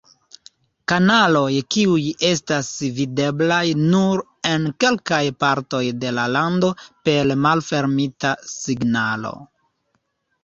Kanaloj kiuj estas videblaj nur en kelkaj partoj de la lando per malfermita signalo.